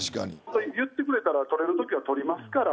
言ってくれたら撮れるときは撮りますから。